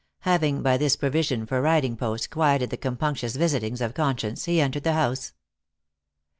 Having, by this provision for riding post, quieted the compunctious visitings of conscience, he entered the house.